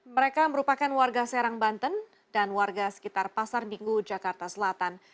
mereka merupakan warga serang banten dan warga sekitar pasar minggu jakarta selatan